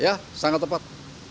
ya sangat tepat